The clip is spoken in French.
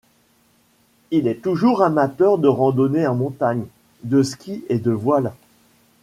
Il est toujours amateur de randonnée en montagne, de ski et de voile.